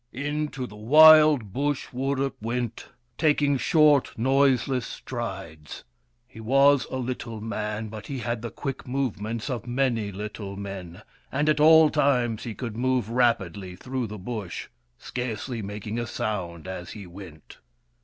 Into the wild Bush Wurip went, taking short noiseless strides. He was a little man, but he had the quick movements of many little men, and at all times he could move rapidly through the Bush, scarcely making a sound as he went.